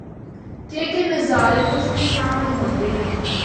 کے کے نظارے تُسدے دے سامنڑے ہوندے ہن۔